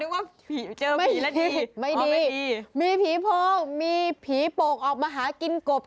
ว่าผีเจอไม่ผีแล้วดีไม่ดีมีผีโพงมีผีโป่งออกมาหากินกบ